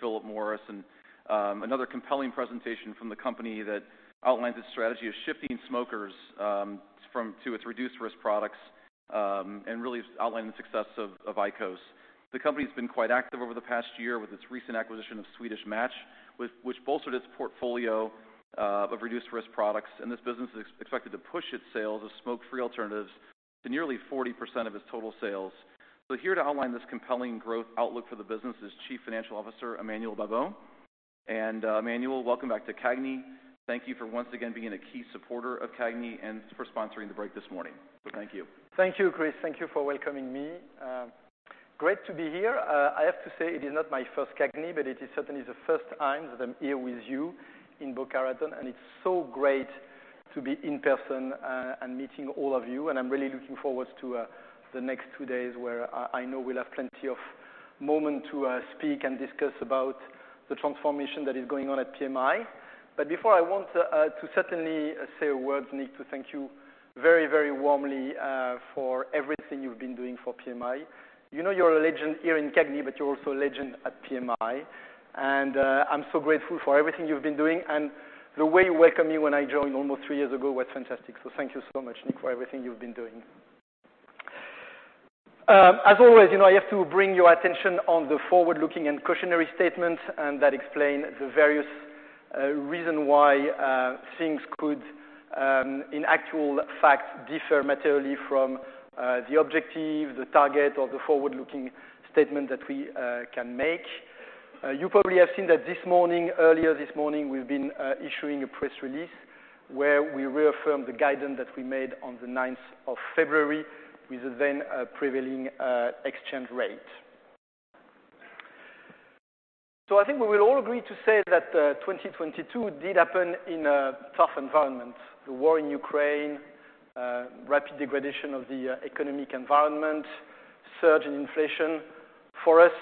Philip Morris. Another compelling presentation from the company that outlines its strategy of shifting smokers to its reduced risk products and really outline the success of IQOS. The company's been quite active over the past year with its recent acquisition of Swedish Match, which bolstered its portfolio of reduced risk products. This business is expected to push its sales of smoke-free alternatives to nearly 40% of its total sales. Here to outline this compelling growth outlook for the business is Chief Financial Officer, Emmanuel Babeau. Emmanuel, welcome back to CAGNY. Thank you for once again being a key supporter of CAGNY and for sponsoring the break this morning. Thank you. Thank you, Chris. Thank you for welcoming me. Great to be here. I have to say it is not my first CAGNY, but it is certainly the first time that I'm here with you in Boca Raton, and it's so great to be in person, and meeting all of you. I'm really looking forward to the next two days where I know we'll have plenty of moment to speak and discuss about the transformation that is going on at PMI. Before, I want to certainly say a word, Nick, to thank you very, very warmly, for everything you've been doing for PMI. You know you're a legend here in CAGNY, but you're also a legend at PMI. I'm so grateful for everything you've been doing. The way you welcomed me when I joined almost 3 years ago was fantastic. Thank you so much, Nick, for everything you've been doing. As always, you know, I have to bring your attention on the forward-looking and cautionary statements, and that explain the various reason why things could, in actual fact, differ materially from the objective, the target, or the forward-looking statement that we can make. You probably have seen that this morning, earlier this morning, we've been issuing a press release where we reaffirmed the guidance that we made on the 9th of February with the then prevailing exchange rate. I think we will all agree to say that 2022 did happen in a tough environment. The war in Ukraine, rapid degradation of the economic environment, surge in inflation. For us,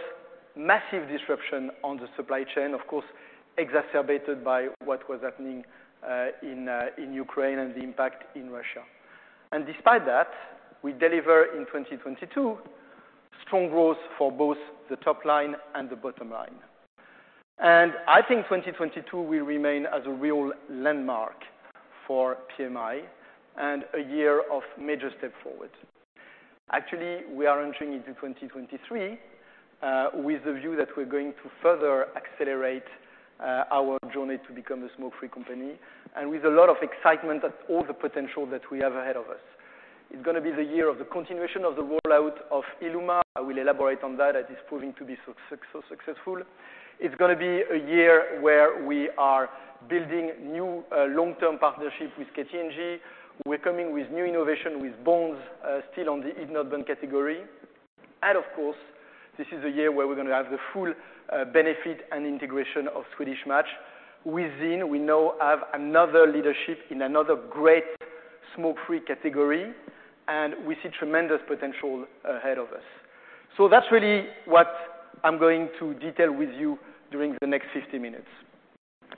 massive disruption on the supply chain, of course, exacerbated by what was happening in Ukraine and the impact in Russia. Despite that, we deliver in 2022, strong growth for both the top line and the bottom line. I think 2022 will remain as a real landmark for PMI and a year of major step forward. Actually, we are entering into 2023 with the view that we're going to further accelerate our journey to become a smoke-free company and with a lot of excitement at all the potential that we have ahead of us. It's gonna be the year of the continuation of the rollout of ILUMA. I will elaborate on that. That is proving to be so successful. It's gonna be a year where we are building new long-term partnership with KT&G. We're coming with new innovation with Vuse, still on the heat-not-burn category. Of course, this is a year where we're gonna have the full benefit and integration of Swedish Match. Within, we now have another leadership in another great smoke-free category, and we see tremendous potential ahead of us. That's really what I'm going to detail with you during the next 60 minutes.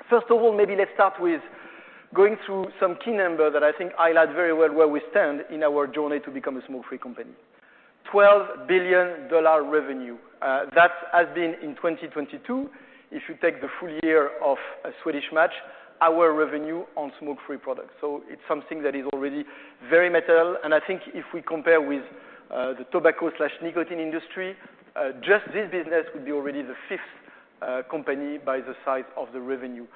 First of all, maybe let's start with going through some key number that I think highlight very well where we stand in our journey to become a smoke-free company. $12 billion revenue. That has been in 2022. If you take the full year of Swedish Match, our revenue on smoke-free products. It's something that is already very material. I think if we compare with the tobacco/nicotine industry, just this business would be already the fifth company by the size of the revenue.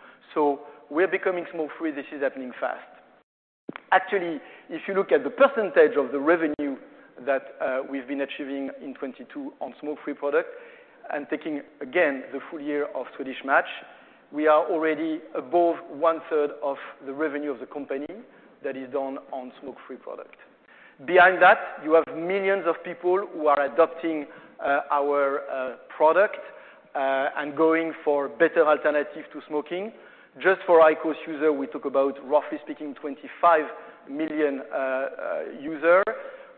We're becoming smoke-free. This is happening fast. Actually, if you look at the percentage of the revenue that we've been achieving in 2022 on smoke-free product and taking again the full year of Swedish Match, we are already above 1/3 of the revenue of the company that is done on smoke-free product. Behind that, you have millions of people who are adopting our product and going for better alternative to smoking. Just for IQOS user, we talk about, roughly speaking, 25 million user.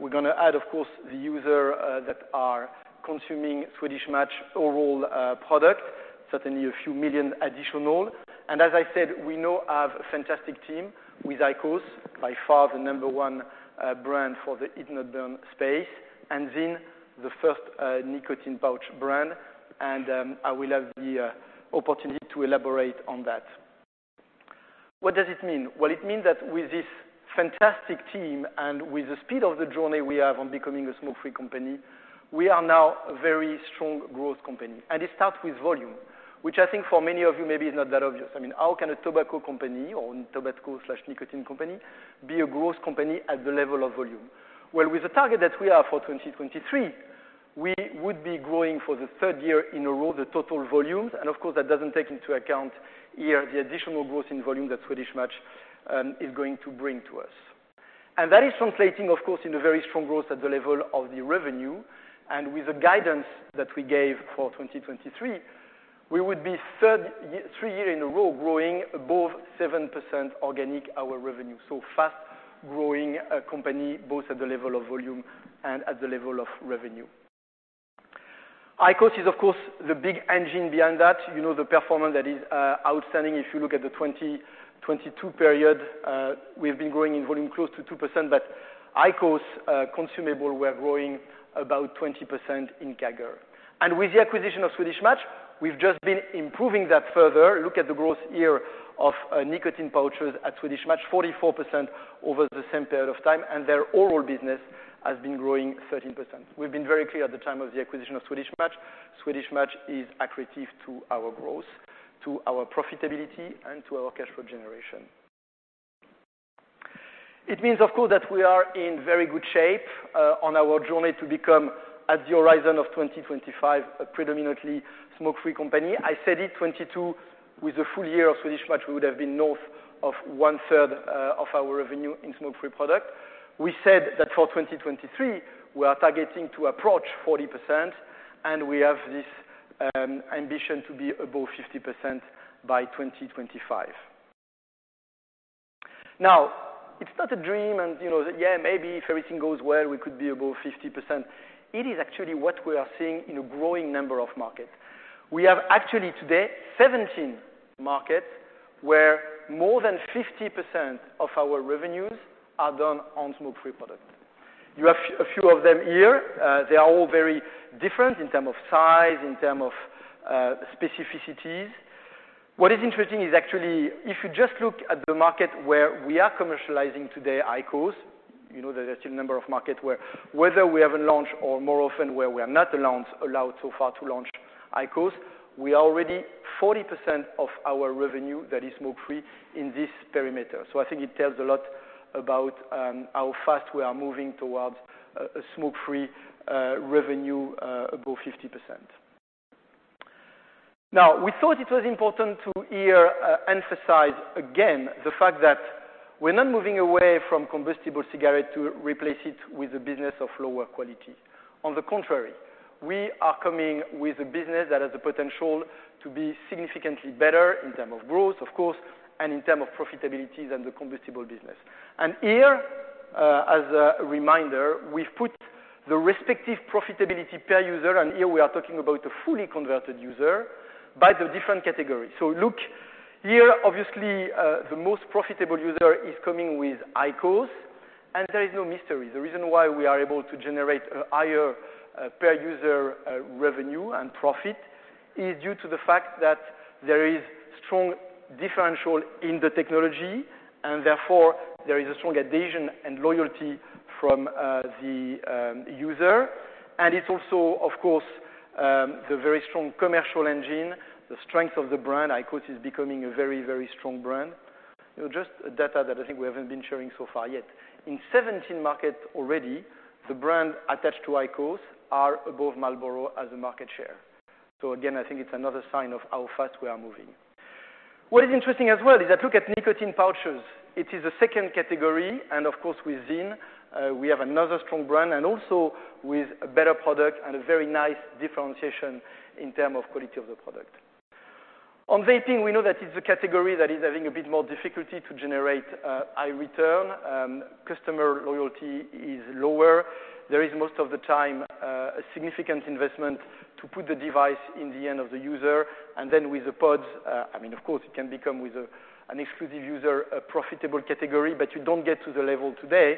We're gonna add, of course, the user that are consuming Swedish Match oral product, certainly a few million additional. As I said, we now have a fantastic team with IQOS, by far the number one brand for the heat-not-burn space, and ZYN, the first nicotine pouch brand. I will have the opportunity to elaborate on that. What does it mean? Well, it means that with this fantastic team and with the speed of the journey we have on becoming a smoke-free company, we are now a very strong growth company. It starts with volume, which I think for many of you, maybe is not that obvious. I mean, how can a tobacco company or tobacco/nicotine company be a growth company at the level of volume? Well, with the target that we have for 2023, we would be growing for the third year in a row the total volumes. Of course, that doesn't take into account here the additional growth in volume that Swedish Match is going to bring to us. That is translating, of course, in a very strong growth at the level of the revenue. With the guidance that we gave for 2023, we would be 3 year in a row growing above 7% organic our revenue. Fast-growing company both at the level of volume and at the level of revenue. IQOS is of course the big engine behind that. You know, the performance that is outstanding. If you look at the 2022 period, we've been growing in volume close to 2%, but IQOS consumable, we are growing about 20% in CAGR. With the acquisition of Swedish Match, we've just been improving that further. Look at the growth year of nicotine pouches at Swedish Match, 44% over the same period of time. Their oral business has been growing 13%. We've been very clear at the time of the acquisition of Swedish Match. Swedish Match is accretive to our growth, to our profitability, and to our cash flow generation. It means, of course, that we are in very good shape on our journey to become, at the horizon of 2025, a predominantly smoke-free company. I said it, 2022, with the full year of Swedish Match, we would have been north of 1/3 of our revenue in smoke-free product. We said that for 2023, we are targeting to approach 40%. We have this ambition to be above 50% by 2025. It's not a dream, you know, yeah, maybe if everything goes well, we could be above 50%. It is actually what we are seeing in a growing number of markets. We have actually today 17 markets where more than 50% of our revenues are done on smoke-free products. You have a few of them here. They are all very different in term of size, in term of specificities. What is interesting is actually, if you just look at the market where we are commercializing today IQOS, you know that there are still a number of markets where whether we have a launch or more often where we are not allowed so far to launch IQOS, we are already 40% of our revenue that is smoke-free in this perimeter. I think it tells a lot about how fast we are moving towards a smoke-free revenue above 50%. We thought it was important to here emphasize again the fact that we're not moving away from combustible cigarette to replace it with a business of lower quality. We are coming with a business that has the potential to be significantly better in term of growth, of course, and in term of profitability than the combustible business. Here, as a reminder, we've put the respective profitability per user, and here we are talking about a fully converted user, by the different categories. Look here, obviously, the most profitable user is coming with IQOS, and there is no mystery. The reason why we are able to generate a higher per user revenue and profit is due to the fact that there is strong differential in the technology, and therefore, there is a strong adhesion and loyalty from the user. It's also, of course, the very strong commercial engine. The strength of the brand IQOS is becoming a very, very strong brand. You know, just data that I think we haven't been sharing so far yet. In 17 markets already, the brand attached to IQOS are above Marlboro as a market share. Again, I think it's another sign of how fast we are moving. What is interesting as well is that look at nicotine pouches. It is a second category. Of course, with ZYN, we have another strong brand and also with a better product and a very nice differentiation in term of quality of the product. On vaping, we know that it's a category that is having a bit more difficulty to generate high return. Customer loyalty is lower. There is most of the time a significant investment to put the device in the hand of the user. Then with the pods, I mean, of course, it can become with an exclusive user, a profitable category, but you don't get to the level today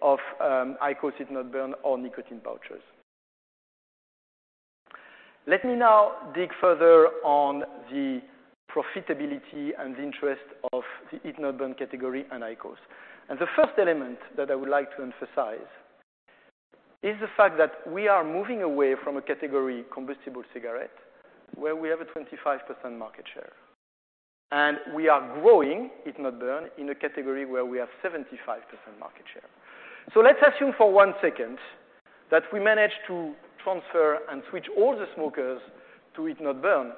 of IQOS, heat-not-burn or nicotine pouches. Let me now dig further on the profitability and the interest of the heat-not-burn category and IQOS. The first element that I would like to emphasize is the fact that we are moving away from a category, combustible cigarette, where we have a 25% market share. We are growing heat-not-burn in a category where we have 75% market share. Let's assume for 1 second that we managed to transfer and switch all the smokers to heat-not-burn.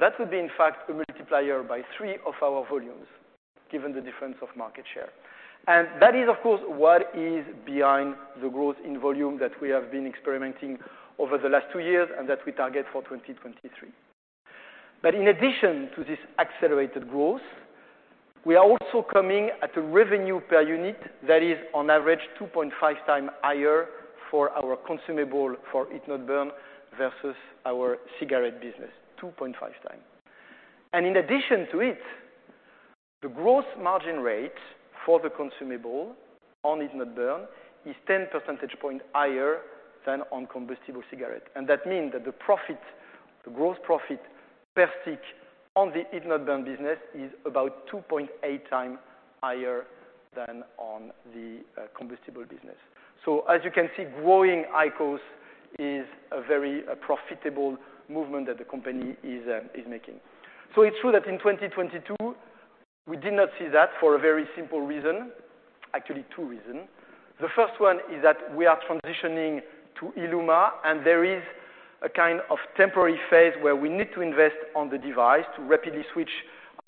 That would be, in fact, a multiplier by three of our volumes, given the difference of market share. That is, of course, what is behind the growth in volume that we have been experimenting over the last 2 years and that we target for 2023. In addition to this accelerated growth, we are also coming at a revenue per unit that is on average 2.5 times higher for our consumable for heat-not-burn versus our cigarette business, 2.5 times. In addition to it, the gross margin rate for the consumable on heat-not-burn is 10 percentage point higher than on combustible cigarette. That mean that the profit, the gross profit per stick on the heat-not-burn business is about 2.8 times higher than on the combustible business. As you can see, growing IQOS is a very profitable movement that the company is making. It's true that in 2022, we did not see that for a very simple reason. Actually, 2 reasons. The first one is that we are transitioning to ILUMA, and there is a kind of temporary phase where we need to invest on the device to rapidly switch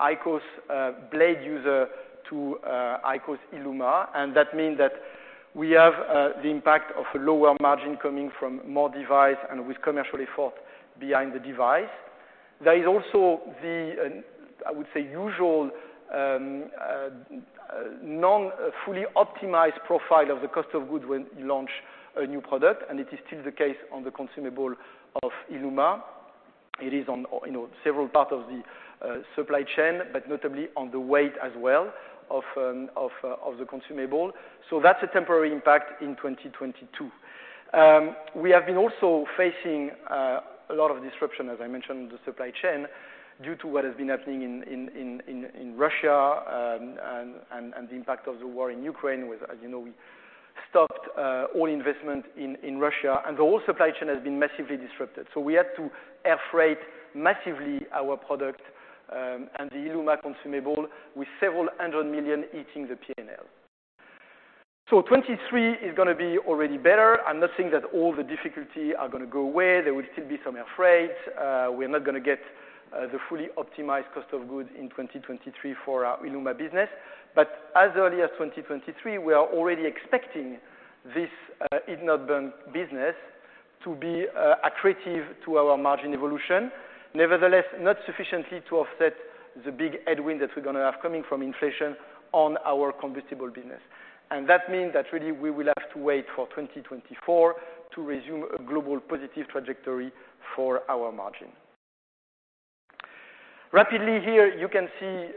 IQOS blade user to IQOS ILUMA. That mean that we have the impact of a lower margin coming from more device and with commercial effort behind the device. There is also the, I would say usual, non-fully optimized profile of the cost of goods when you launch a new product, and it is still the case on the consumable of ILUMA. It is on, you know, several parts of the supply chain, but notably on the weight as well of the consumable. That's a temporary impact in 2022. We have been also facing a lot of disruption, as I mentioned, the supply chain due to what has been happening in Russia, and the impact of the war in Ukraine. As you know, we stopped all investment in Russia, and the whole supply chain has been massively disrupted. We had to air freight massively our product, and the ILUMA consumable with $ several hundred million hitting the PNL. 2023 is gonna be already better. I'm not saying that all the difficulty are gonna go away. There will still be some air freight. We're not gonna get the fully optimized cost of goods in 2023 for our ILUMA business. As early as 2023, we are already expecting this heat-not-burn business to be accretive to our margin evolution. Nevertheless, not sufficiently to offset the big headwind that we're gonna have coming from inflation on our combustible business. That means that really we will have to wait for 2024 to resume a global positive trajectory for our margin. Rapidly here, you can see,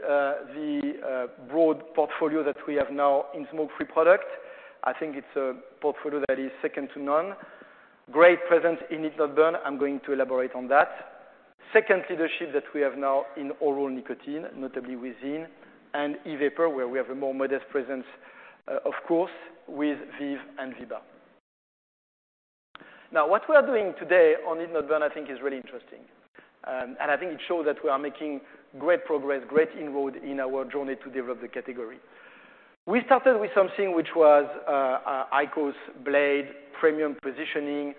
the broad portfolio that we have now in smoke-free product. I think it's a portfolio that is second to none. Great presence in heat-not-burn. I'm going to elaborate on that. Second leadership that we have now in oral nicotine, notably with ZYN and e-vapor, where we have a more modest presence, of course, with Vuse and VEEBA. What we are doing today on heat-not-burn, I think is really interesting. I think it shows that we are making great progress, great inroad in our journey to develop the category. We started with something which was IQOS Blade premium positioning,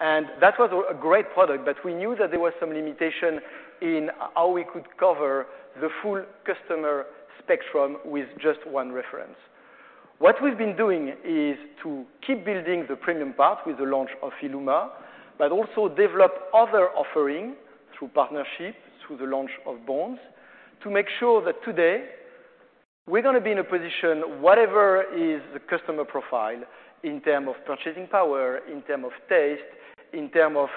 and that was a great product, but we knew that there was some limitation in how we could cover the full customer spectrum with just one reference. What we've been doing is to keep building the premium part with the launch of ILUMA, but also develop other offering through partnerships, through the launch of Bond, to make sure that today we're gonna be in a position, whatever is the customer profile in term of purchasing power, in term of taste, in term of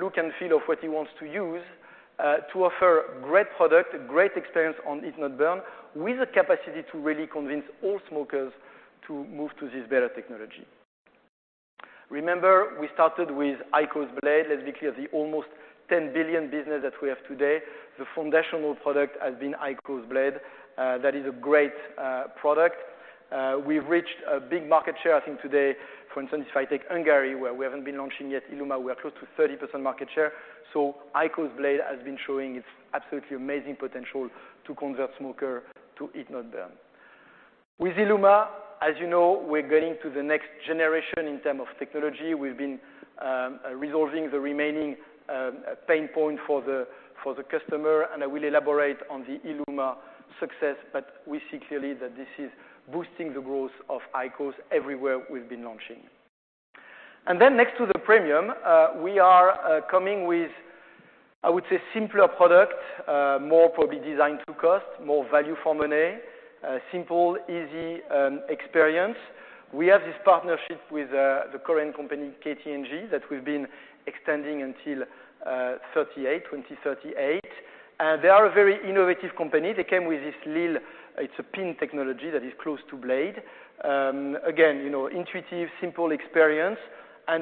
look and feel of what he wants to use, to offer great product, great experience on heat-not-burn, with the capacity to really convince all smokers to move to this better technology. Remember, we started with IQOS Blade. Let's be clear, the almost $10 billion business that we have today, the foundational product has been IQOS Blade. That is a great product. We've reached a big market share, I think today. For instance, if I take Hungary, where we haven't been launching yet ILUMA, we are close to 30% market share. IQOS Blade has been showing its absolutely amazing potential to convert smoker to heat-not-burn. With ILUMA, as you know, we're going to the next generation in term of technology. We've been resolving the remaining pain point for the customer, and I will elaborate on the ILUMA success, but we see clearly that this is boosting the growth of IQOS everywhere we've been launching. Next to the premium, we are coming with, I would say simpler product, more probably designed to cost, more value for money, a simple, easy experience. We have this partnership with the Korean company KT&G that we've been extending until 2038. They are a very innovative company. They came with this lil, it's a pin technology that is close to Blade. Again, you know, intuitive, simple experience,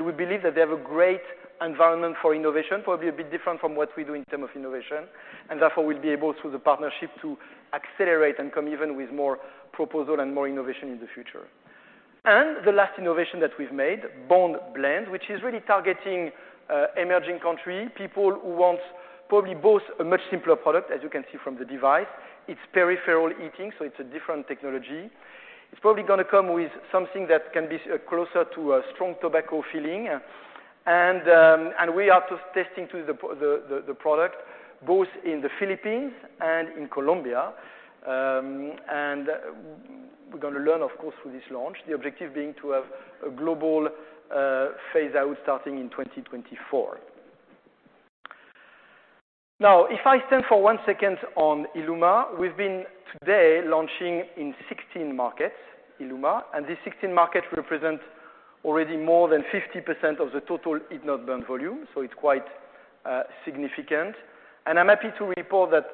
we believe that they have a great environment for innovation, probably a bit different from what we do in term of innovation. Therefore, we'll be able, through the partnership, to accelerate and come even with more proposal and more innovation in the future. The last innovation that we've made, Bond Blend, which is really targeting emerging country, people who want probably both a much simpler product, as you can see from the device. It's peripheral heating, so it's a different technology. It's probably gonna come with something that can be closer to a strong tobacco feeling. We are just testing the product both in the Philippines and in Colombia. And we're gonna learn, of course, through this launch. The objective being to have a global phase out starting in 2024. If I stand for one second on ILUMA, we've been today launching in 16 markets, ILUMA, and these 16 markets represent already more than 50% of the total heat-not-burn volume. It's quite significant. I'm happy to report that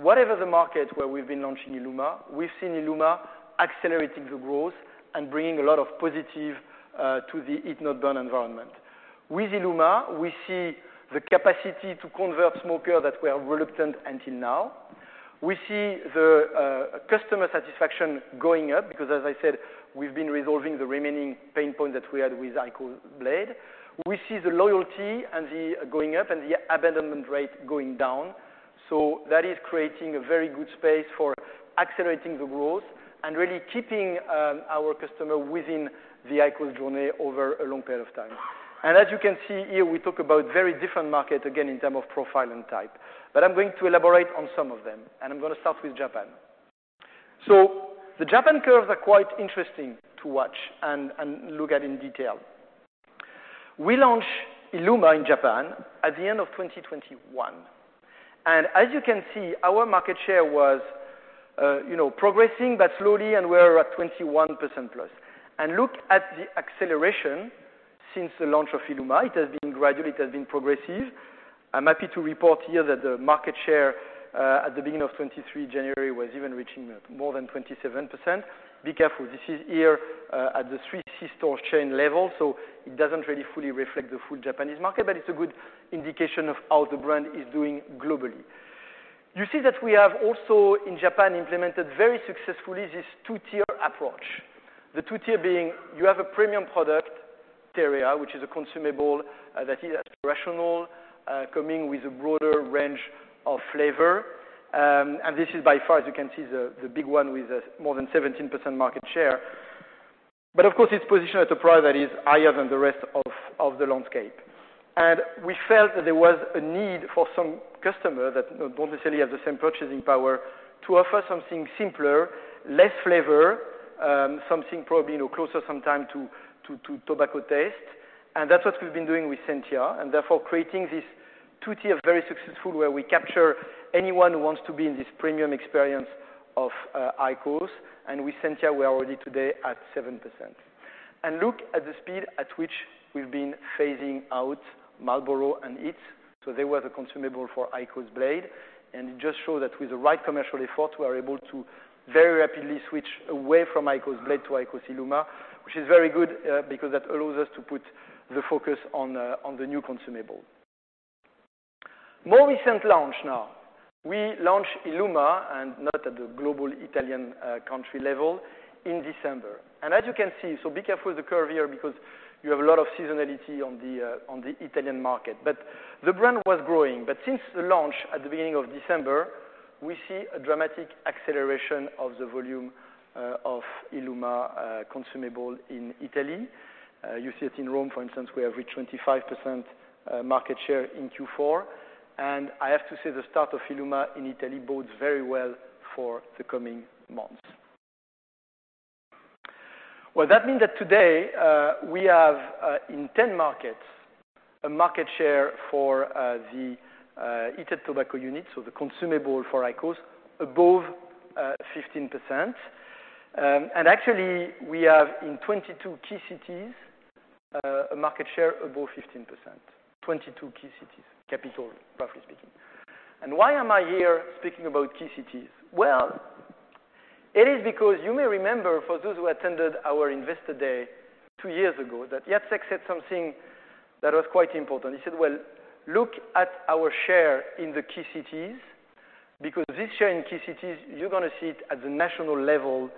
whatever the market where we've been launching ILUMA, we've seen ILUMA accelerating the growth and bringing a lot of positive to the heat-not-burn environment. With ILUMA, we see the capacity to convert smoker that were reluctant until now. We see the customer satisfaction going up because as I said, we've been resolving the remaining pain point that we had with IQOS Blade. We see the loyalty going up and the abandonment rate going down. That is creating a very good space for accelerating the growth and really keeping our customer within the IQOS journey over a long period of time. As you can see here, we talk about very different market again in terms of profile and type. I'm going to elaborate on some of them, and I'm going to start with Japan. The Japan curves are quite interesting to watch and look at in detail. We launched ILUMA in Japan at the end of 2021. As you can see, our market share was, you know, progressing, but slowly, and we're at 21%+. Look at the acceleration since the launch of ILUMA. It has been gradual, it has been progressive. I'm happy to report here that the market share at the beginning of January 2023 was even reaching more than 27%. Be careful, this is here, at the 3 C store chain level. It doesn't really fully reflect the full Japanese market, but it's a good indication of how the brand is doing globally. You see that we have also, in Japan, implemented very successfully this two-tier approach. The two-tier being you have a premium product, Terea, which is a consumable that is aspirational, coming with a broader range of flavor. This is by far, as you can see, the big one with more than 17% market share. Of course, it's positioned at a price that is higher than the rest of the landscape. We felt that there was a need for some customer that don't necessarily have the same purchasing power to offer something simpler, less flavor, you know, closer sometime to tobacco taste. That's what we've been doing with SENTIA, and therefore, creating this two-tier, very successful, where we capture anyone who wants to be in this premium experience of IQOS. With SENTIA, we are already today at 7%. Look at the speed at which we've been phasing out Marlboro and HEETS. They were the consumable for IQOS Blade. It just shows that with the right commercial effort, we are able to very rapidly switch away from IQOS Blade to IQOS ILUMA. Which is very good, because that allows us to put the focus on the new consumable. More recent launch now. We launched ILUMA, not at the global Italian country level, in December. As you can see, be careful with the curve here because you have a lot of seasonality on the Italian market. The brand was growing. Since the launch at the beginning of December, we see a dramatic acceleration of the volume of ILUMA consumable in Italy. You see it in Rome, for instance, we have reached 25% market share in Q4. I have to say the start of ILUMA in Italy bodes very well for the coming months. Well, that means that today, we have in 10 markets, a market share for the heated tobacco unit, so the consumable for IQOS above 15%. Actually, we have in 22 key cities a market share above 15%. 22 key cities, capital, roughly speaking. Why am I here speaking about key cities? Well, it is because you may remember for those who attended our investor day 2 years ago, that Jacek said something that was quite important. He said, "Well, look at our share in the key cities, because this share in key cities, you're gonna see it at the national level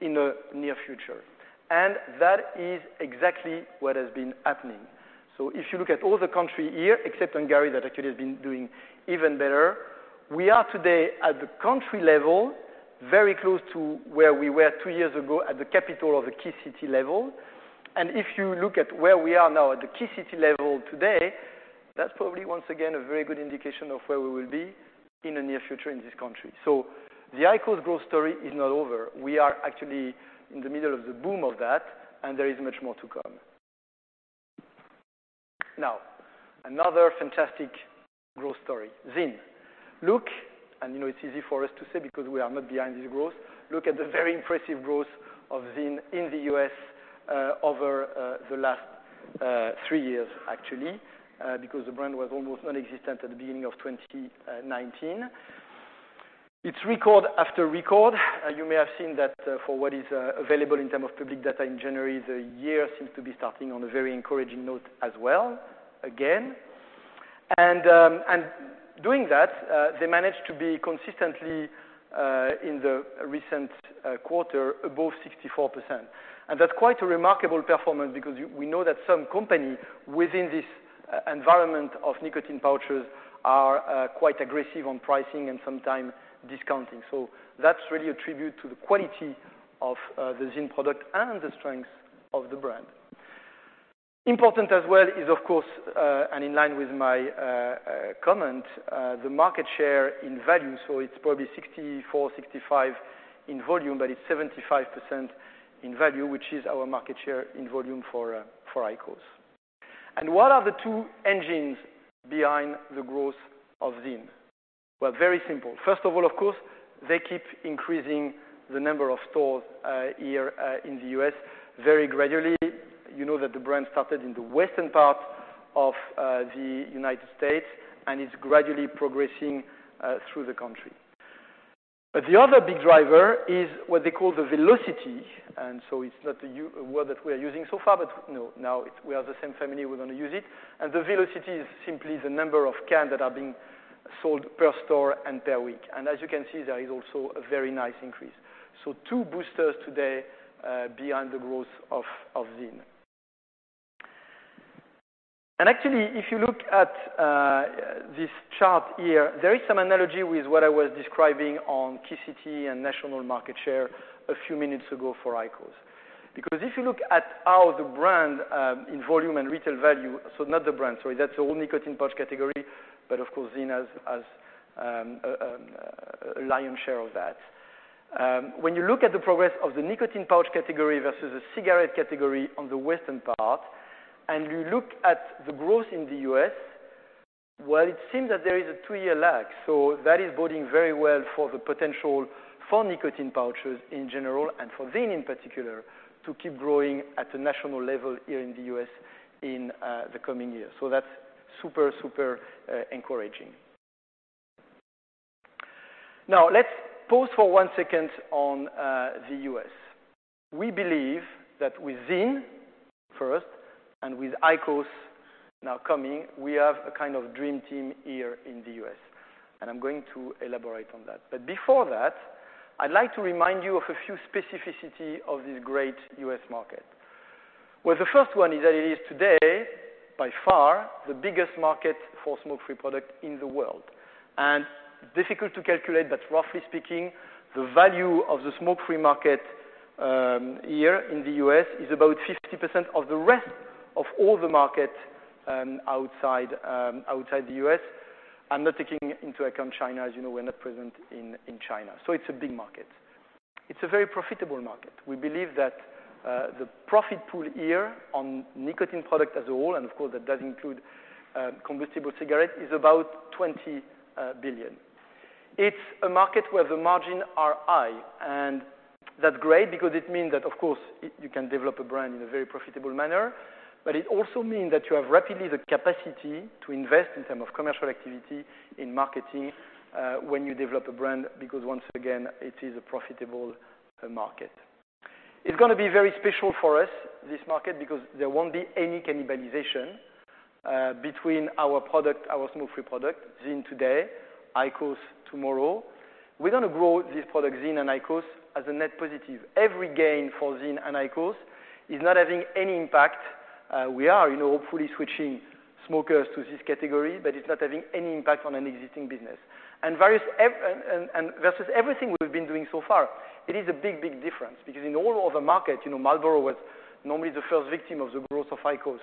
in the near future." That is exactly what has been happening. If you look at all the country here, except Hungary, that actually has been doing even better. We are today at the country level, very close to where we were 2 years ago at the capital of the key city level. If you look at where we are now at the key city level today, that's probably, once again, a very good indication of where we will be in the near future in this country. The IQOS growth story is not over. We are actually in the middle of the boom of that, and there is much more to come. Another fantastic growth story, ZYN. Look, you know, it's easy for us to say because we are not behind this growth. Look at the very impressive growth of ZYN in the U.S., over the last three years actually. Because the brand was almost nonexistent at the beginning of 2019. It's record after record. You may have seen that, for what is available in term of public data in January, the year seems to be starting on a very encouraging note as well, again. Doing that, they managed to be consistently in the recent quarter above 64%. That's quite a remarkable performance because we know that some company within this environment of nicotine pouches are quite aggressive on pricing and sometime discounting. That's really a tribute to the quality of the ZYN product and the strength of the brand. Important as well is, of course, and in line with my comment, the market share in value. It's probably 64, 65 in volume, but it's 75% in value, which is our market share in volume for IQOS. What are the two engines behind the growth of ZYN? Well, very simple. First of all, of course, they keep increasing the number of stores here in the US very gradually. You know that the brand started in the western part of the United States, it's gradually progressing through the country. The other big driver is what they call the velocity. It's not a word that we're using so far, but, you know, now it's we are the same family, we're gonna use it. The velocity is simply the number of cans that are being sold per store and per week. As you can see, there is also a very nice increase. Two boosters today behind the growth of ZYN. Actually, if you look at this chart here, there is some analogy with what I was describing on key city and national market share a few minutes ago for IQOS. If you look at how the brand, in volume and retail value. So not the brand. Sorry. That's the whole nicotine pouch category, but of course ZYN has a lion's share of that. When you look at the progress of the nicotine pouch category versus the cigarette category on the western part, and you look at the growth in the U.S., well, it seems that there is a two-year lag. That is boding very well for the potential for nicotine pouches in general and for ZYN in particular to keep growing at a national level here in the U.S. in the coming years. That's super encouraging. Now let's pause for 1 second on the U.S. We believe that with ZYN first and with IQOS now coming, we have a kind of dream team here in the U.S., and I'm going to elaborate on that. Before that, I'd like to remind you of a few specificity of this great U.S. market. Well, the first one is that it is today, by far, the biggest market for smoke-free product in the world. Difficult to calculate, but roughly speaking, the value of the smoke-free market here in the U.S. is about 50% of the rest of all the market outside the U.S. I'm not taking into account China. As you know, we're not present in China. It's a big market. It's a very profitable market. We believe that the profit pool here on nicotine product as a whole, and of course, that does include combustible cigarettes, is about $20 billion. It's a market where the margin are high, and that's great because it means that, of course, you can develop a brand in a very profitable manner. It also mean that you have rapidly the capacity to invest in term of commercial activity in marketing when you develop a brand, because once again, it is a profitable market. It's gonna be very special for us, this market, because there won't be any cannibalization between our product, our smoke-free product, ZYN today, IQOS tomorrow. We're gonna grow this product ZYN and IQOS as a net positive. Every gain for ZYN and IQOS is not having any impact. We are, you know, hopefully switching smokers to this category, but it's not having any impact on an existing business. Various versus everything we've been doing so far, it is a big, big difference because in all other market, you know, Marlboro was normally the first victim of the growth of IQOS.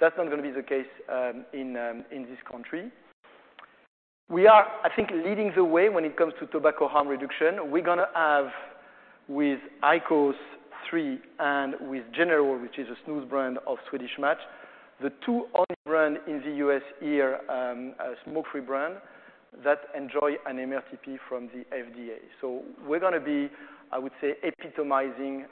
That's not gonna be the case in this country. We are, I think, leading the way when it comes to tobacco harm reduction. We're gonna have with IQOS 3 and with General, which is a snus brand of Swedish Match, the two own brand in the US here, a smoke-free brand that enjoy an MRTP from the FDA. We're gonna be, I would say, epitomizing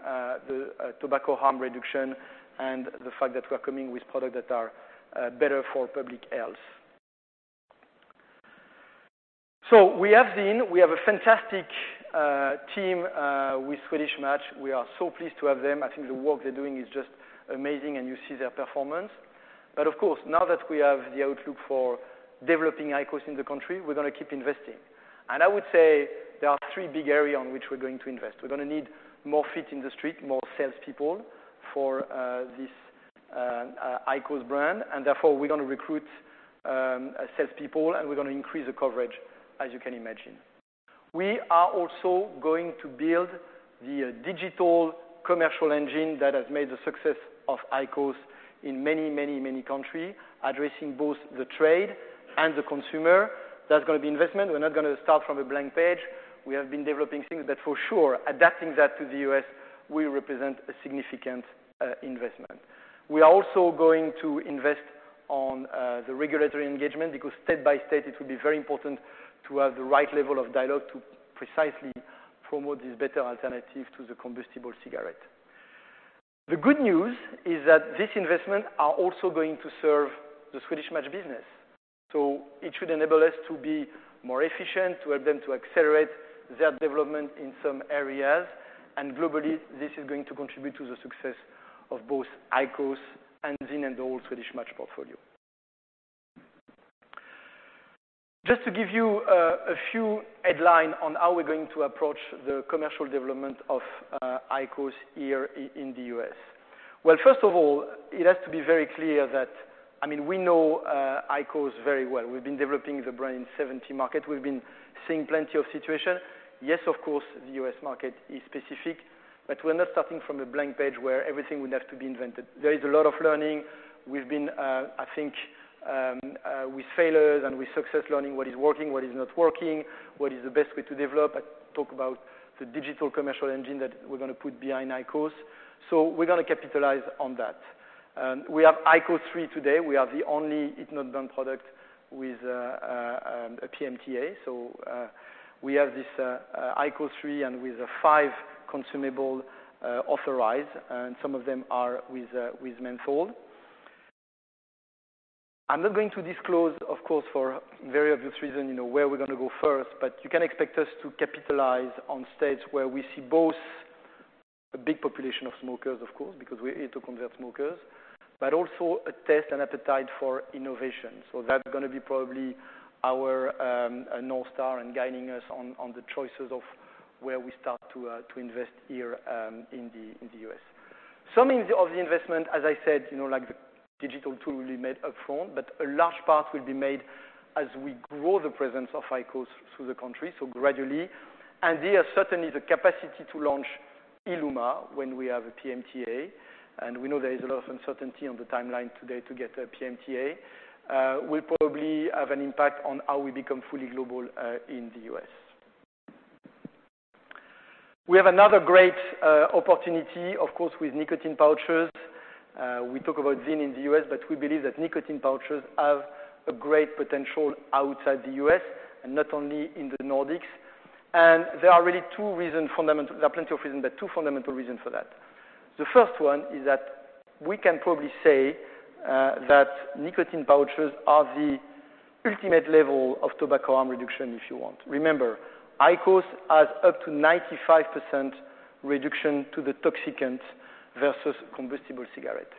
the tobacco harm reduction and the fact that we're coming with product that are better for public health. We have ZYN. We have a fantastic team with Swedish Match. We are so pleased to have them. I think the work they're doing is just amazing, and you see their performance. Of course, now that we have the outlook for developing IQOS in the country, we're gonna keep investing. I would say there are three big area on which we're going to invest. We're gonna need more feet in the street, more salespeople for this IQOS brand. Therefore, we're gonna recruit salespeople, and we're gonna increase the coverage, as you can imagine. We are also going to build the digital commercial engine that has made the success of IQOS in many, many, many country, addressing both the trade and the consumer. That's gonna be investment. We're not gonna start from a blank page. We have been developing things. For sure, adapting that to the U.S. will represent a significant investment. We are also going to invest on the regulatory engagement because state by state it will be very important to have the right level of dialogue to precisely promote this better alternative to the combustible cigarette. The good news is that this investment are also going to serve the Swedish Match business. It should enable us to be more efficient, to help them to accelerate their development in some areas. Globally, this is going to contribute to the success of both IQOS and ZYN and the whole Swedish Match portfolio. Just to give you a few headline on how we're going to approach the commercial development of IQOS here in the U.S. First of all, it has to be very clear that, I mean, we know IQOS very well. We've been developing the brand in 70 market. We've been seeing plenty of situation. Yes, of course, the U.S. market is specific, but we're not starting from a blank page where everything would have to be invented. There is a lot of learning. We've been, I think, with failures and with success learning what is working, what is not working, what is the best way to develop. I talk about the digital commercial engine that we're gonna put behind IQOS. We're gonna capitalize on that. We have IQOS 3 today. We are the only heat-not-burn product with a PMTA. We have this IQOS 3 and with a 5 consumable authorized, and some of them are with menthol. I'm not going to disclose, of course, for very obvious reason, you know, where we're gonna go first. You can expect us to capitalize on states where we see both a big population of smokers, of course. We're here to convert smokers. Also a test and appetite for innovation. That's gonna be probably our a North Star in guiding us on the choices of where we start to invest here in the U.S. Some of the investment, as I said, you know, like the Digital tool will be made upfront, but a large part will be made as we grow the presence of IQOS through the country, so gradually. There certainly the capacity to launch ILUMA when we have a PMTA, and we know there is a lot of uncertainty on the timeline today to get a PMTA, will probably have an impact on how we become fully global in the U.S. We have another great opportunity, of course, with nicotine pouches. We talk about ZYN in the U.S., we believe that nicotine pouches have a great potential outside the U.S. and not only in the Nordics. There are really two reasons, there are plenty of reasons, two fundamental reasons for that. The first one is that we can probably say that nicotine pouches are the ultimate level of tobacco harm reduction, if you want. Remember, IQOS has up to 95% reduction to the toxicant versus combustible cigarette.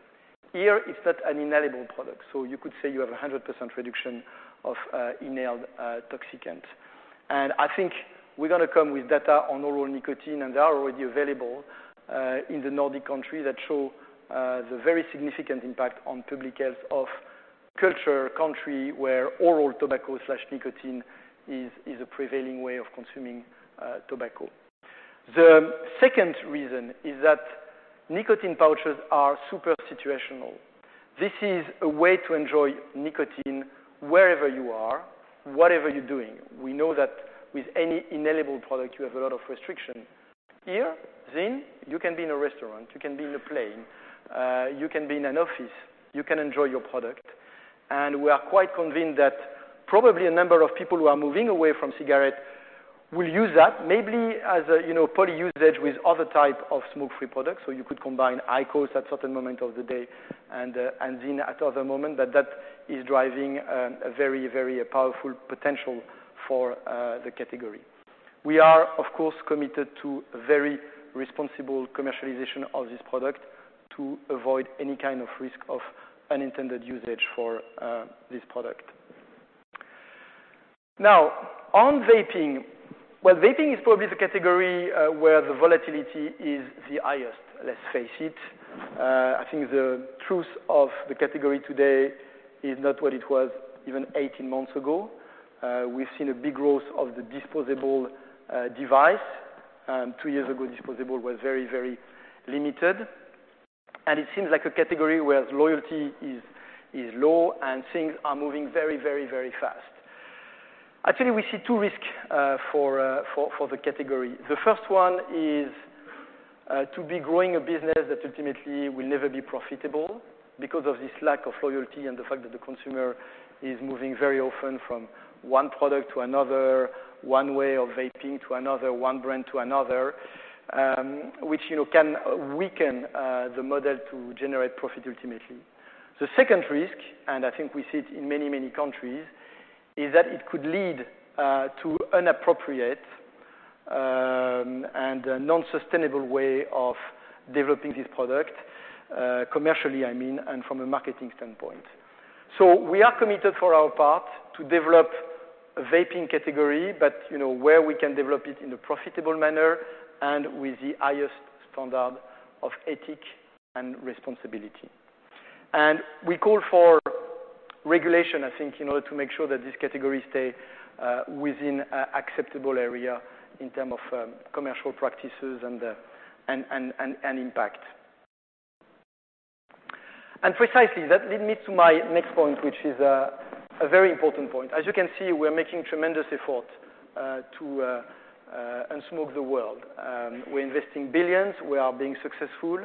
Here, it's not an inhalable product, you could say you have a 100% reduction of inhaled toxicant. I think we're gonna come with data on oral nicotine, and they are already available in the Nordic countries that show the very significant impact on public health of culture, country where oral tobacco/nicotine is a prevailing way of consuming tobacco. The second reason is that nicotine pouches are super situational. This is a way to enjoy nicotine wherever you are, whatever you're doing. We know that with any inhalable product, you have a lot of restriction. Here, ZYN, you can be in a restaurant, you can be in a plane, you can be in an office, you can enjoy your product. We are quite convinced that probably a number of people who are moving away from cigarette will use that maybe as a, you know, polyusage with other type of smoke-free products. You could combine IQOS at certain moment of the day and ZYN at other moment, but that is driving a very, very powerful potential for the category. We are of course, committed to a very responsible commercialization of this product to avoid any kind of risk of unintended usage for this product. Now, on vaping. Well, vaping is probably the category where the volatility is the highest, let's face it. I think the truth of the category today is not what it was even 18 months ago. We've seen a big growth of the disposable device. 2 years ago, disposable was very, very limited. It seems like a category where loyalty is low and things are moving very, very, very fast. Actually, we see 2 risk for the category. The first one is to be growing a business that ultimately will never be profitable because of this lack of loyalty and the fact that the consumer is moving very often from one product to another, one way of vaping to another, one brand to another, which, you know, can weaken the model to generate profit ultimately. The second risk, I think we see it in many, many countries, is that it could lead to inappropriate and non-sustainable way of developing this product, commercially, I mean, and from a marketing standpoint. We are committed for our part to develop a vaping category, but you know, where we can develop it in a profitable manner and with the highest standard of ethic and responsibility. We call for regulation, I think, in order to make sure that this category stay within a acceptable area in term of commercial practices and impact. Precisely, that lead me to my next point, which is a very important point. As you can see, we're making tremendous effort to unsmoke the world. We're investing billions. We are being successful.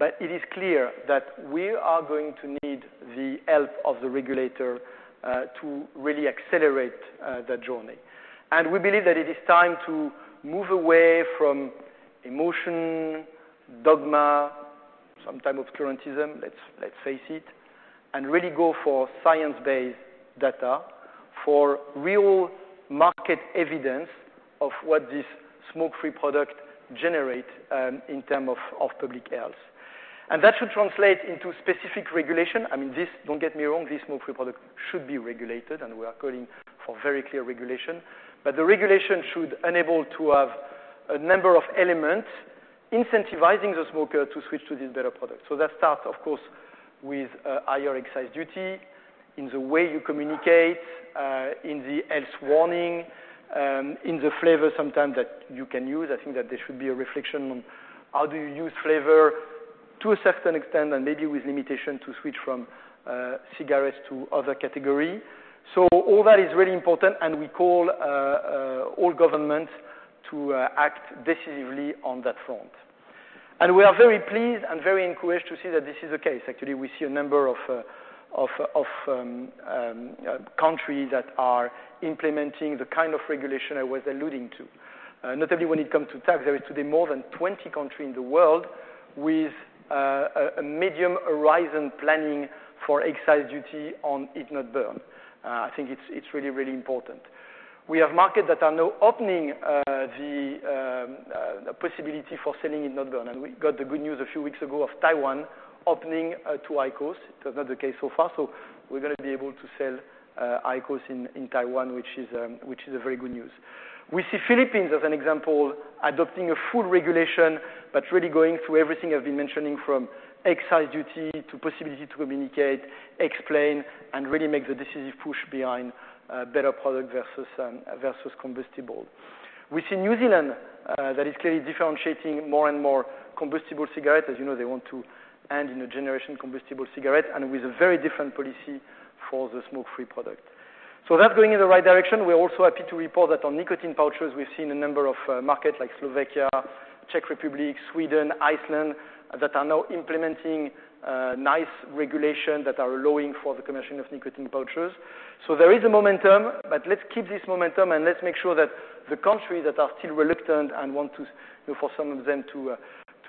It is clear that we are going to need the help of the regulator to really accelerate that journey. We believe that it is time to move away from emotion, dogma, some type of currentism, let's face it, and really go for science-based data, for real market evidence of what this smoke-free product generate in term of public health. That should translate into specific regulation. I mean, this, don't get me wrong, this smoke-free product should be regulated, and we are calling for very clear regulation. The regulation should enable to have a number of elements incentivizing the smoker to switch to this better product. That start, of course, with a higher excise duty in the way you communicate, in the health warning, in the flavor sometimes that you can use. I think that there should be a reflection on how do you use flavor to a certain extent and maybe with limitation to switch from, cigarettes to other category. All that is really important, and we call, all governments to act decisively on that front. We are very pleased and very encouraged to see that this is the case. Actually, we see a number of countries that are implementing the kind of regulation I was alluding to. Notably when it comes to tax, there is today more than 20 countries in the world with a medium horizon planning for excise duty on heat-not-burn. I think it's really, really important. We have market that are now opening the possibility for selling heat-not-burn. We got the good news a few weeks ago of Taiwan opening to IQOS. It was not the case so far. We're gonna be able to sell IQOS in Taiwan, which is, which is a very good news. We see Philippines as an example adopting a full regulation, but really going through everything I've been mentioning from excise duty to possibility to communicate, explain, and really make the decisive push behind better product versus versus combustible. We see New Zealand that is clearly differentiating more and more combustible cigarettes. As you know, they want to end in a generation combustible cigarettes and with a very different policy for the smoke-free product. That's going in the right direction. We're also happy to report that on nicotine pouches, we've seen a number of markets like Slovakia, Czech Republic, Sweden, Iceland, that are now implementing nice regulation that are allowing for the commissioning of nicotine pouches. There is a momentum, but let's keep this momentum and let's make sure that the countries that are still reluctant and want to, you know, for some of them to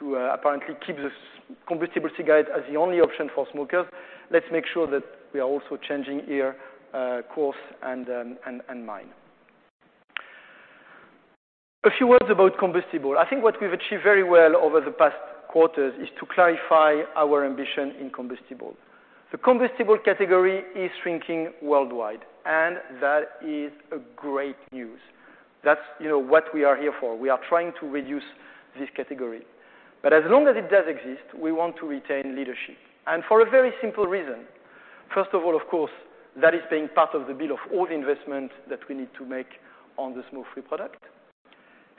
apparently keep this combustible cigarette as the only option for smokers. Let's make sure that we are also changing here course and and mind. A few words about combustible. I think what we've achieved very well over the past quarters is to clarify our ambition in combustible. The combustible category is shrinking worldwide, and that is a great news. That's, you know, what we are here for. We are trying to reduce this category. As long as it does exist, we want to retain leadership. For a very simple reason. First of all, of course, that is paying part of the bill of all the investment that we need to make on the smoke-free product.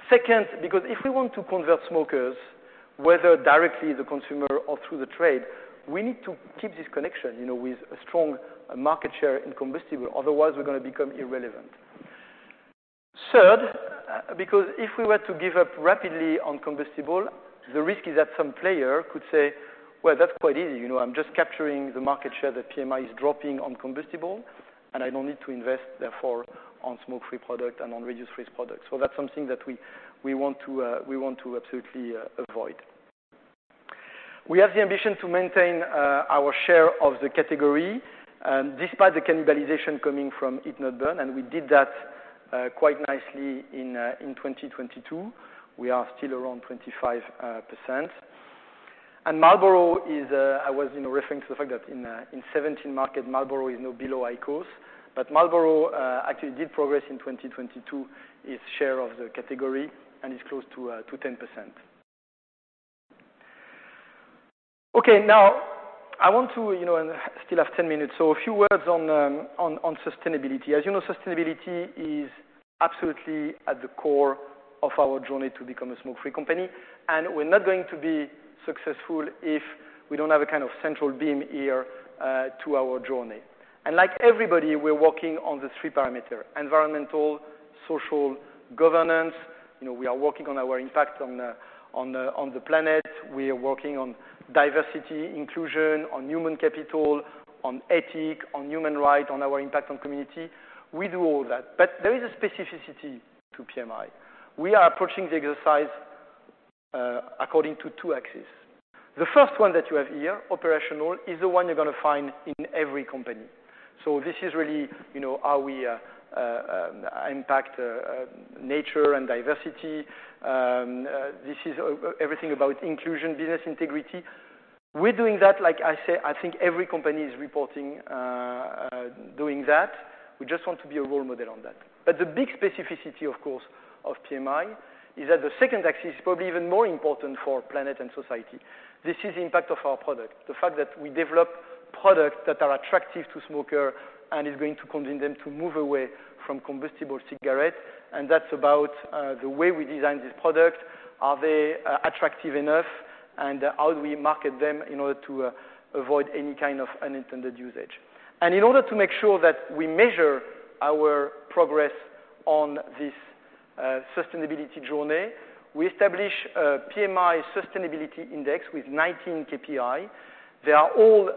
Second, because if we want to convert smokers, whether directly the consumer or through the trade, we need to keep this connection, you know, with a strong market share in combustible. Otherwise, we're gonna become irrelevant. Third, because if we were to give up rapidly on combustible, the risk is that some player could say, "Well, that's quite easy. You know, I'm just capturing the market share that PMI is dropping on combustible, and I don't need to invest therefore on smoke-free product and on reduced-risk product." That's something that we want to absolutely avoid. We have the ambition to maintain our share of the category despite the cannibalization coming from heat-not-burn. We did that quite nicely in 2022. We are still around 25%. Marlboro is, I was, you know, referring to the fact that in 17 markets, Marlboro is now below IQOS. Marlboro actually did progress in 2022 its share of the category and is close to 10%. Okay, now I want to, you know, still have 10 minutes, a few words on sustainability. As you know, sustainability is absolutely at the core of our journey to become a smoke-free company. We're not going to be successful if we don't have a kind of central beam here to our journey. Like everybody, we're working on the three parameter: environmental, social, governance. You know, we are working on our impact on, on the planet. We are working on diversity, inclusion, on human capital, on ethic, on human rights, on our impact on community. We do all that. There is a specificity to PMI. We are approaching the exercise, according to two axes. The first one that you have here, operational, is the one you're gonna find in every company. This is really, you know, how we impact nature and diversity. This is everything about inclusion, business integrity. We're doing that, like I say, I think every company is reporting, doing that. We just want to be a role model on that. The big specificity, of course, of PMI is that the second axis is probably even more important for planet and society. This is the impact of our product. The fact that we develop products that are attractive to smoker and is going to convince them to move away from combustible cigarettes, and that's about the way we design this product. Are they attractive enough? How do we market them in order to avoid any kind of unintended usage? In order to make sure that we measure our progress on this sustainability journey, we established a PMI sustainability index with 19 KPI. They are all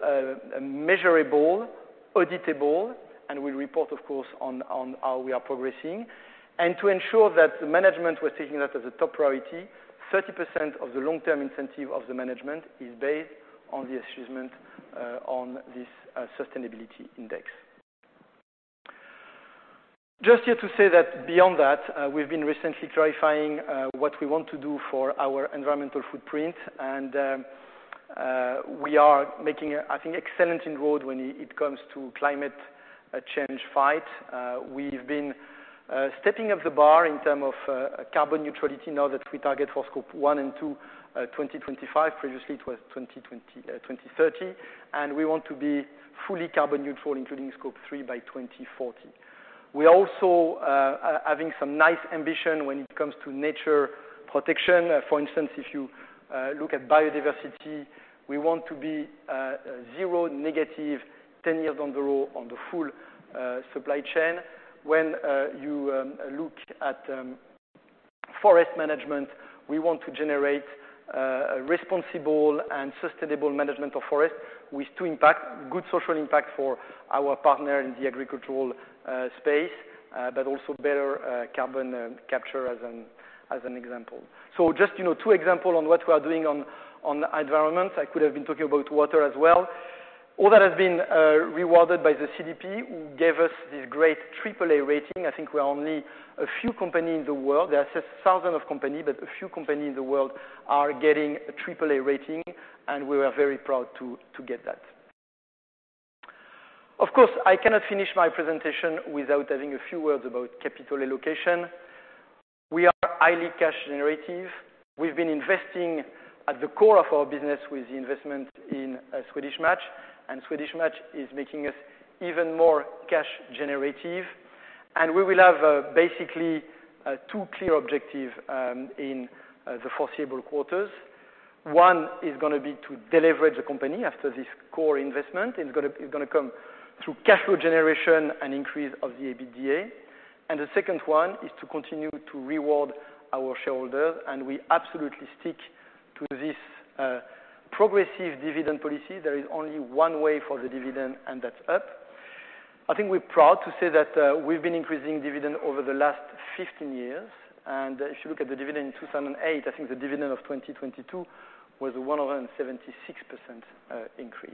measurable, auditable, and we report, of course, on how we are progressing. To ensure that the management was taking that as a top priority, 30% of the long-term incentive of the management is based on the achievement on this sustainability index. Just here to say that beyond that, we've been recently clarifying what we want to do for our environmental footprint, and we are making, I think, excellent inroads when it comes to climate change fight. We've been stepping up the bar in terms of carbon neutrality now that we target for Scope 1 and 2, 2025. Previously, it was 2020, 2030. We want to be fully carbon neutral, including Scope 3 by 2040. We're also having some nice ambition when it comes to nature protection. For instance, if you look at biodiversity, we want to be zero negative 10 years on the row on the full supply chain. When you look at forest management, we want to generate a responsible and sustainable management of forest with two impact, good social impact for our partner in the agricultural space, but also better carbon capture as an example. Just, you know, two example on what we are doing on environment. I could have been talking about water as well. All that has been rewarded by the CDP, who gave us this great triple A rating. I think we are only a few company in the world. There are thousand of company, but a few company in the world are getting a triple A rating, and we are very proud to get that. Of course, I cannot finish my presentation without having a few words about capital allocation. We are highly cash generative. We've been investing at the core of our business with the investment in Swedish Match, and Swedish Match is making us even more cash generative. We will have basically two clear objective in the foreseeable quarters. One is gonna be to deleverage the company after this core investment. It's gonna come through cash flow generation and increase of the EBITDA. The second one is to continue to reward our shareholders. We absolutely stick to this progressive dividend policy. There is only one way for the dividend, and that's up. I think we're proud to say that we've been increasing dividend over the last 15 years. If you look at the dividend in 2008, I think the dividend of 2022 was 176% increase.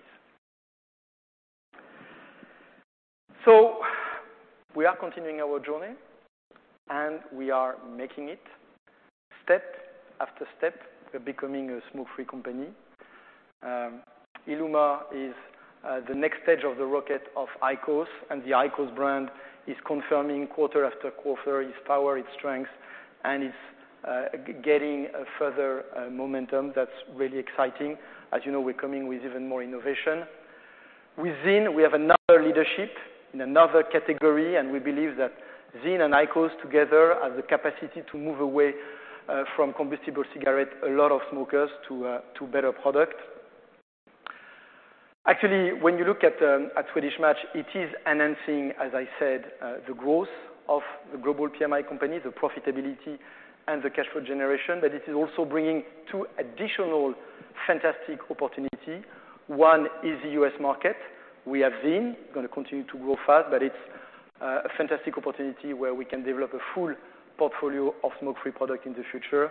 We are continuing our journey, and we are making it. Step after step, we're becoming a smoke-free company. ILUMA is the next stage of the rocket of IQOS, and the IQOS brand is confirming quarter-after-quarter its power, its strength, and it's getting a further momentum that's really exciting. As you know, we're coming with even more innovation. With ZYN, we have another leadership in another category, and we believe that ZYN and IQOS together have the capacity to move away from combustible cigarette, a lot of smokers to better product. Actually, when you look at Swedish Match, it is enhancing, as I said, the growth of the global PMI company, the profitability and the cash flow generation. It is also bringing two additional fantastic opportunity. One is the U.S. market. We have ZYN, gonna continue to grow fast, but it's a fantastic opportunity where we can develop a full portfolio of smoke-free product in the future.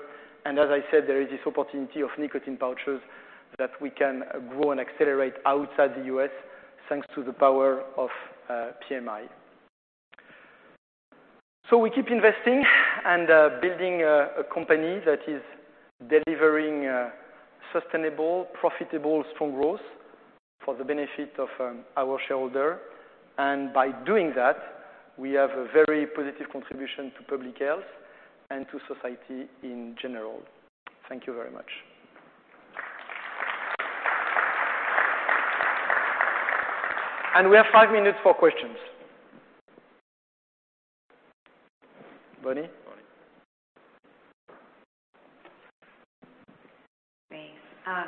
As I said, there is this opportunity of nicotine pouches that we can grow and accelerate outside the U.S., thanks to the power of PMI. We keep investing and building a company that is delivering sustainable, profitable, strong growth for the benefit of our shareholder. By doing that, we have a very positive contribution to public health and to society in general. Thank you very much. We have five minutes for questions. Bonnie? Bonnie.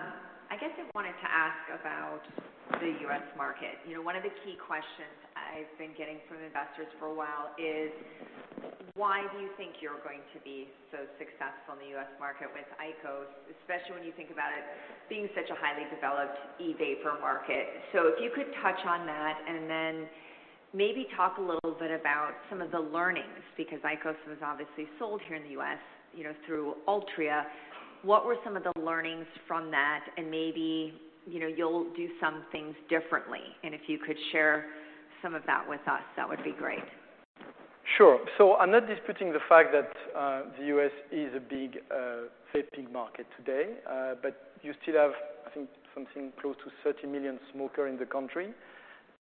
Thanks. I guess I wanted to ask about the U.S. market. You know, one of the key questions I've been getting from investors for a while is why do you think you're going to be so successful in the U.S. market with IQOS, especially when you think about it being such a highly developed e-vapor market? If you could touch on that and then maybe talk a little bit about some of the learnings, because IQOS was obviously sold here in the U.S., you know, through Altria. What were some of the learnings from that? Maybe, you know, you'll do some things differently. If you could share some of that with us, that would be great. Sure. I'm not disputing the fact that the U.S. is a big vaping market today. But you still have, I think, something close to 30 million smoker in the country.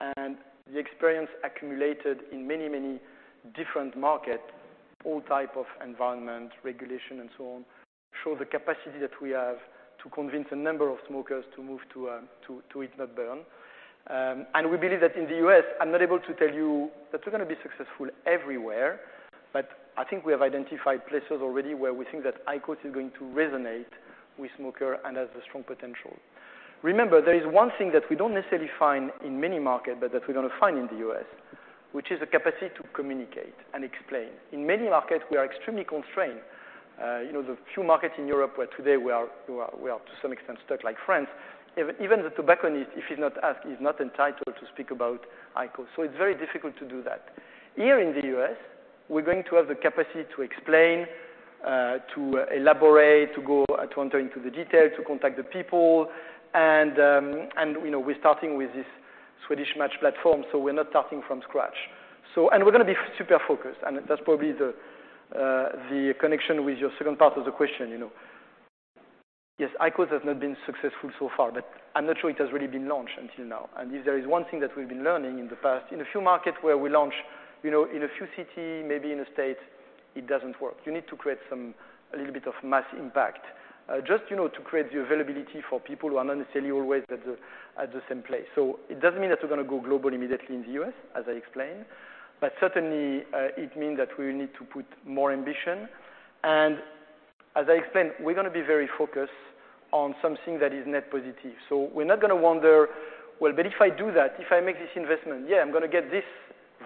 The experience accumulated in many, many different market, all type of environment, regulation, and so on, show the capacity that we have to convince a number of smokers to move to heat-not-burn. We believe that in the U.S., I'm not able to tell you that we're gonna be successful everywhere, but I think we have identified places already where we think that IQOS is going to resonate with smoker and has a strong potential. Remember, there is one thing that we don't necessarily find in many market, but that we're gonna find in the U.S., which is a capacity to communicate and explain. In many market, we are extremely constrained. You know, the few markets in Europe where today we are to some extent stuck like France. Even the tobacconist, if he's not asked, he's not entitled to speak about IQOS. It's very difficult to do that. Here in the U.S., we're going to have the capacity to explain, to elaborate, to go, to enter into the detail, to contact the people. You know, we're starting with this Swedish Match platform, so we're not starting from scratch. We're gonna be super focused, and that's probably the connection with your second part of the question, you know. Yes, IQOS has not been successful so far, but I'm not sure it has really been launched until now. If there is one thing that we've been learning in the past, in a few market where we launch, you know, in a few city, maybe in a state, it doesn't work. You need to create some, a little bit of mass impact. just, you know, to create the availability for people who are not necessarily always at the, at the same place. It doesn't mean that we're gonna go global immediately in the U.S., as I explained. Certainly, it means that we need to put more ambition. As I explained, we're gonna be very focused on something that is net positive. We're not gonna wonder, well, but if I do that, if I make this investment, yeah, I'm gonna get this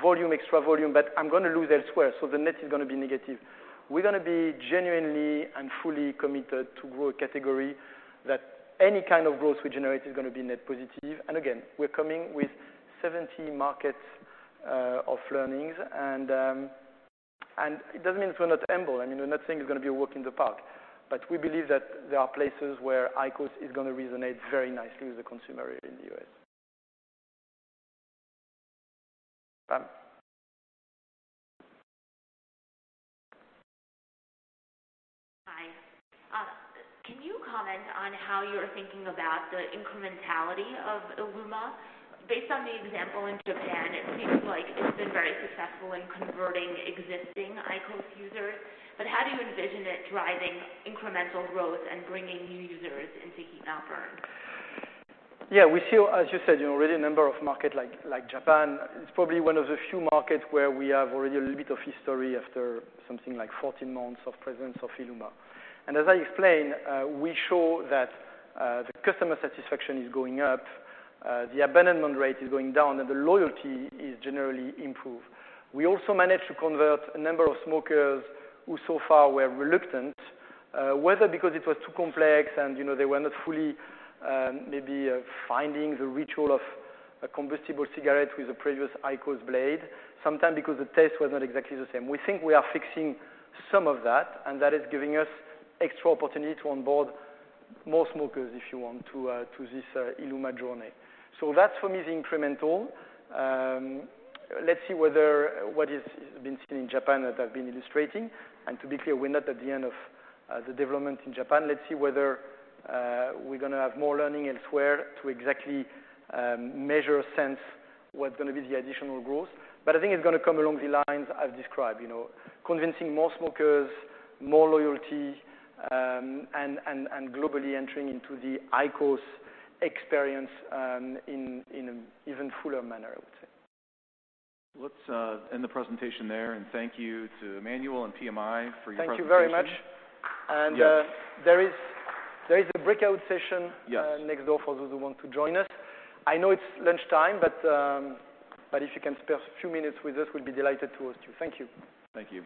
volume, extra volume, but I'm gonna lose elsewhere, so the net is gonna be negative. We're gonna be genuinely and fully committed to grow a category that any kind of growth we generate is gonna be net positive. Again, we're coming with 70 markets of learnings. It doesn't mean we're not humble. I mean, we're not saying it's gonna be a walk in the park. We believe that there are places where IQOS is gonna resonate very nicely with the consumer in the U.S. Pam? On how you're thinking about the incrementality of ILUMA. Based on the example in Japan, it seems like it's been very successful in converting existing IQOS users. How do you envision it driving incremental growth and bringing new users into heat-not-burn? Yeah. We see, as you said, you know, really a number of market like Japan. It's probably one of the few markets where we have already a little bit of history after something like 14 months of presence of ILUMA. As I explained, we show that the customer satisfaction is going up, the abandonment rate is going down, and the loyalty is generally improved. We also managed to convert a number of smokers who so far were reluctant, whether because it was too complex and, you know, they were not fully, maybe finding the ritual of a combustible cigarette with the previous IQOS Blade, sometimes because the taste was not exactly the same. We think we are fixing some of that, and that is giving us extra opportunity to onboard more smokers, if you want, to this ILUMA journey. That for me is incremental. Let's see whether what is been seen in Japan that I've been illustrating. To be clear, we're not at the end of the development in Japan. Let's see whether we're gonna have more learning elsewhere to exactly measure a sense what's gonna be the additional growth. I think it's gonna come along the lines I've described. You know, convincing more smokers, more loyalty, and globally entering into the IQOS experience in even fuller manner, I would say. Let's end the presentation there. Thank you to Emmanuel and PMI for your presentation. Thank you very much. Yes. There is a breakout session. Yes. next door for those who want to join us. I know it's lunchtime, but if you can spare a few minutes with us, we'll be delighted to host you. Thank you. Thank you.